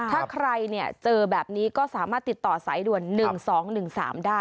ถ้าใครเจอแบบนี้ก็สามารถติดต่อสายด่วน๑๒๑๓ได้